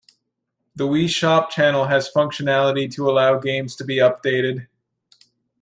The Wii Shop Channel has functionality to allow games to be updated.